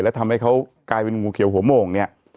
แล้วทำให้เขากลายเป็นงูเขียวหัวโมงเนี่ย